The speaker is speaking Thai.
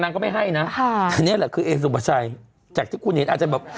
นางก็ไม่ให้น่ะค่ะเนี้ยแหละคือเอสุบัติชัยจากที่คุณเห็นอาจจะบอก